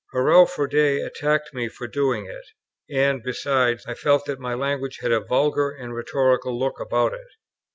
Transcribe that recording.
Hurrell Froude attacked me for doing it; and, besides, I felt that my language had a vulgar and rhetorical look about it.